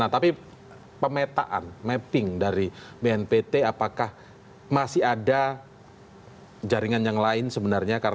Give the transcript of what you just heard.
tapi pemetaan mapping dari bnpt apakah masih ada jaringan yang lain sebenarnya